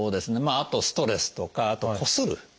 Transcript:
あとストレスとかあとこする。